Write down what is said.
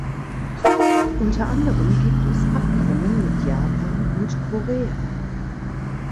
Unter anderem gibt es Abkommen mit Japan und Korea.